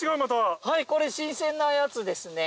これ新鮮なやつですね。